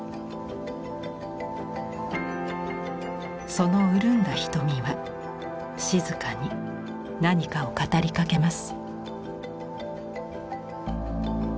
そのうるんだ瞳は静かに何かを語りかけます。